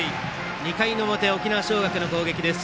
２回の表、沖縄尚学の攻撃です。